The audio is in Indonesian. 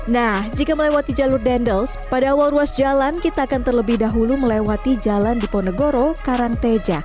nah jika melewati jalur dendels pada awal ruas jalan kita akan terlebih dahulu melewati jalan diponegoro karangteja